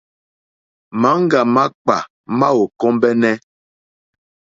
Maŋga makpà ma ò kombεnε.